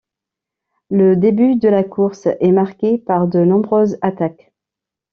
Le début de la course est marqué par de nombreuses attaques.